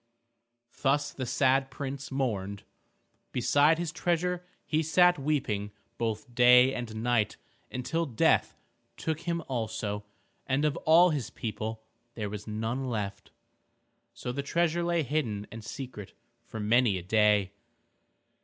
Thus the sad prince mourned. Beside his treasure he sat weeping both day and night until death took him also, and of all his people there was none left. So the treasure lay hidden and secret for many a day.